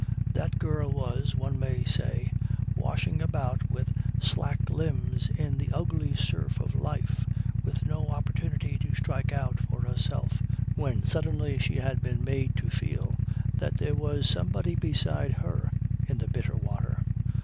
That girl was, one may say, washing about with slack limbs in the ugly surf of life with no opportunity to strike out for herself, when suddenly she had been made to feel that there was somebody beside her in the bitter water.